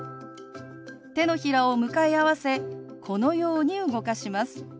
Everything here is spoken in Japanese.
手のひらを向かい合わせこのように動かします。